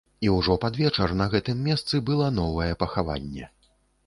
І ўжо пад вечар на гэтым месцы была новае пахаванне.